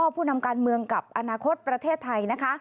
ผู้นำการเมืองกับอนาคตประเทศไทยนะคะ